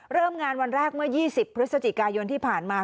เริ่มงานวันแรกเมื่อ๒๐พฤศจิกายนที่ผ่านมา